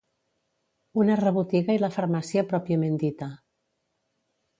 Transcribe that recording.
Una rebotiga i la farmàcia pròpiament dita.